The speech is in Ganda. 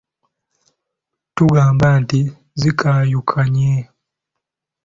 Tugamba nti zikaayukanye.